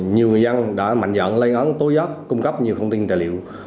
nhiều người dân đã mạnh dẫn lấy ngón tối giấc cung cấp nhiều thông tin tài liệu